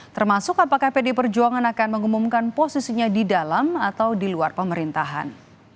termasuk apakah pd perjuangan akan mengumumkan posisinya di dalam atau di luar pemerintahan